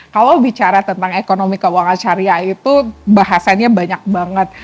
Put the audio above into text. kalau bicara tentang ekonomi keuangan syariah itu bahasanya banyak banget